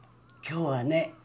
今日はね